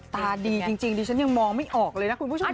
ตาดีจริงดิฉันยังมองไม่ออกเลยนะคุณผู้ชม